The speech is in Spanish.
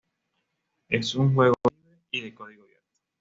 Es un juego libre y de código abierto.